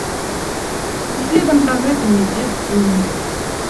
І следам за гэтым ідзе сум.